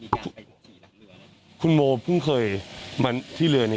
เกินถึงมีการไปขี่หลังเรือคุณโมเพิ่งเคยมาที่เรือใน